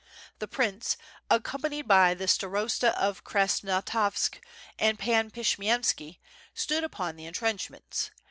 The prince, accompanied by the Starosta of Krasnostavsk and Pan Pshiyemski stood upon the intrenchments.